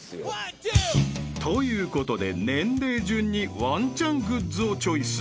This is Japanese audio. ［ということで年齢順にワンちゃんグッズをチョイス］